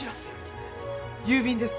郵便です。